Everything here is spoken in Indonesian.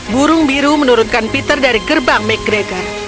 burung biru menurutkan peter dari gerbang mcgregor